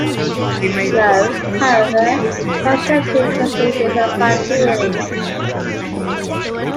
Moe, however, told Shemp to pursue this opportunity.